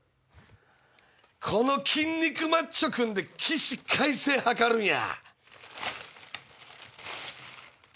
この筋肉マッチョくんで起死回生図るんや！